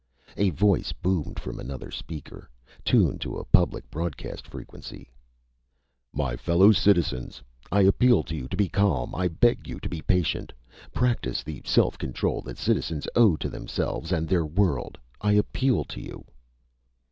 A voice boomed from another speaker, tuned to public broadcast frequency: "_My fellow citizens, I appeal to you to be calm! I beg you to be patient! Practice the self control that citizens owe to themselves and their world, I appeal to you....